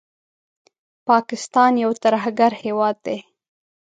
پاکستان یو ترهګر هېواد دی